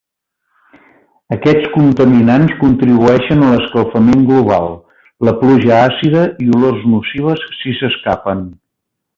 Aquests contaminants contribueixen a l'escalfament global, la pluja àcida, i olors nocives si s'escapen.